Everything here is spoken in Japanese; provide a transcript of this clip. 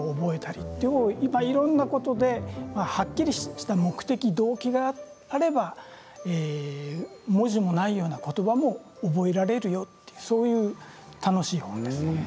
今いろんなことではっきりした目的動機があれば文字もないような言葉も覚えられるよという本です。